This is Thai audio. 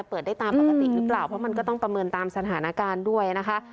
เปิดได้ตามปกติหรือเปล่าเพราะมันก็ต้องประเมินตามสถานการณ์ด้วยนะคะ